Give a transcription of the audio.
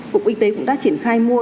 cụng y tế cũng đã triển khai mua